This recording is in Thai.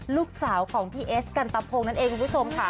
ลูกสาวของพี่เอสกันตะพงนั่นเองคุณผู้ชมค่ะ